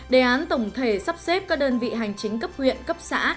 đề án tổng thể sắp xếp các đơn vị hành chính cấp huyện cấp xã